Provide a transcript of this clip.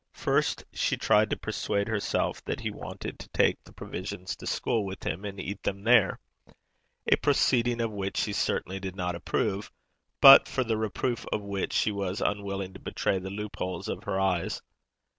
First, she tried to persuade herself that he wanted to take the provisions to school with him, and eat them there a proceeding of which she certainly did not approve, but for the reproof of which she was unwilling to betray the loopholes of her eyes.